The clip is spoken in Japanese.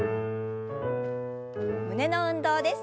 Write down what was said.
胸の運動です。